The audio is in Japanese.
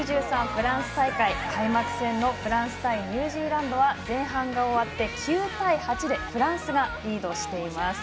フランス大会開幕戦のフランス対ニュージーランドは前半が終わって９対８でフランスがリードしています。